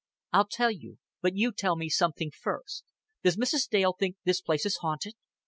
"I'll tell you. But you tell me something first. Does Mrs. Dale think this place is haunted?"